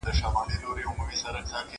زه اجازه لرم چې کار وکړم!!